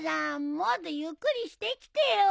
もっとゆっくりしてきてよ。